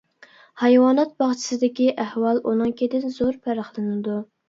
ھايۋانات باغچىسىدىكى ئەھۋال ئۇنىڭكىدىن زور پەرقلىنىدۇ.